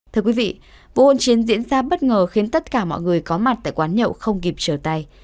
thưa quý vị vụ hôn chiến diễn ra bất ngờ khiến tất cả mọi người có mặt tại quán nhậu không kịp trở tay